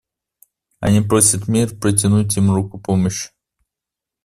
Они просят мир протянуть им руку помощи.